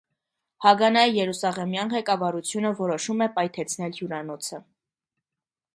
Հագանայի երուսաղեմյան ղեկավարությունը որոշում է պայթեցնել հյուրանոցը։